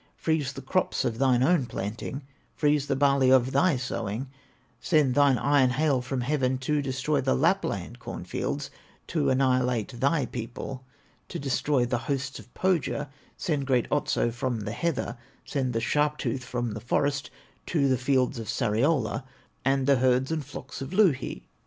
Freeze the crops of thine own planting, Freeze the barley of thy sowing, Send thine iron hail from heaven To destroy the Lapland corn fields, To annihilate thy people, To destroy the hosts of Pohya; Send great Otso from the heather, Send the sharp tooth from the forest, To the fields of Sariola, On the herds and flocks of Louhi!"